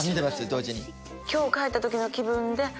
同時に。